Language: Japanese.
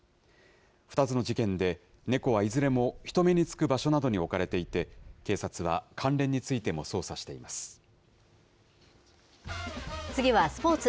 ２つの事件で、猫はいずれも人目につく場所などに置かれていて、警察は、関連についても捜査して次はスポーツ。